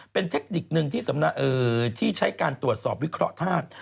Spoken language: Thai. เป็นเทคนิคหนึ่งที่ใช้การตรวจสอบวิเคราะห์ธาตุ